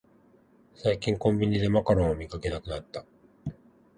最近コンビニでマカロンを見かけなくなった